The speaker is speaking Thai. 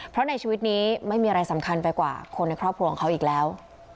เพราะในชีวิตนี้ไม่มีอะไรสำคัญไปกว่าคนในครอบครัวของเขาอีกแล้ว